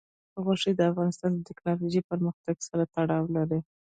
غوښې د افغانستان د تکنالوژۍ پرمختګ سره تړاو لري.